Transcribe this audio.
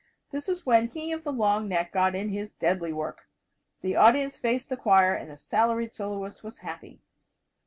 This was when he of the long neck got in his deadly work. The audience faced the choir and the salaried soloist was happy.